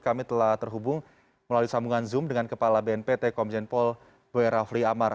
kami telah terhubung melalui sambungan zoom dengan kepala bnpt komjen pol boy rafli amar